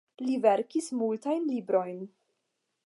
Li verkis multajn librojn.